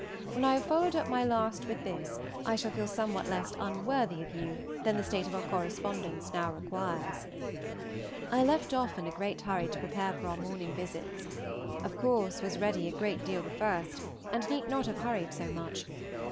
When I have followed up my last with this I shall feel somewhat less unworthy of you than the state of our correspondence now requires. I left off in a great hurry to prepare for our morning visits. Of course was ready a good deal the first, and need not have hurried so much.